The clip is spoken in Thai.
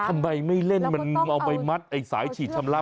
ทำไมไม่เล่นมันเอาไปมัดไอ้สายฉีดชำระ